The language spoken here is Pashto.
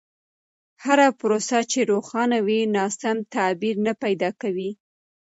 هره پروسه چې روښانه وي، ناسم تعبیر نه پیدا کوي.